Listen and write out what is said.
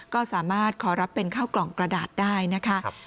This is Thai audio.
ก็สามารถขอรับเป็นข้าวกล่องกระดาษได้นะคะ